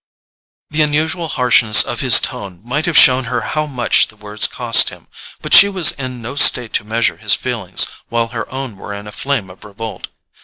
The unusual harshness of his tone might have shown her how much the words cost him; but she was in no state to measure his feelings while her own were in a flame of revolt.